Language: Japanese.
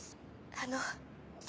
あの。